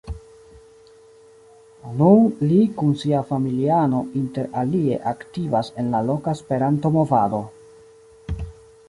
Nun li kun sia familiano inter alie aktivas en la loka Esperanto-movado.